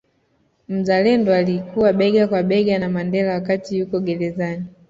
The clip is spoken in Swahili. Mzalendo aliyekuwa bega kwa bega na Mandela wakati yuko gerezani